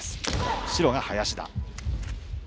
白が林田。